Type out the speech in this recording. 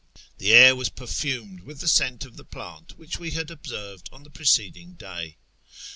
The air was perfumed with the scent of the plant which we had observed on the preceding day.